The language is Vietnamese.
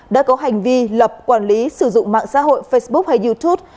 đã có hành vi lập quản lý sử dụng mạng xã hội facebook hay youtube